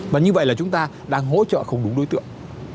và như vậy là chúng ta đang hỗ trợ không đúng đối tượng